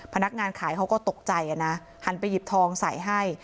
พนักงานขายเขาก็ตกใจนะหันไปหยิบทองใส่ให้